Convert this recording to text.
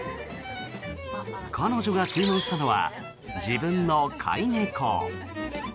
彼女が注文したのは自分の飼い猫。